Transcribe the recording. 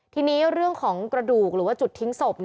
ทีนี้เรื่องของกระดูกหรือว่าจุดทิ้งศพ